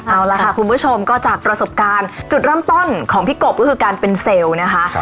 เอาล่ะค่ะคุณผู้ชมก็จากประสบการณ์จุดเริ่มต้นของพี่กบก็คือการเป็นเซลล์นะคะ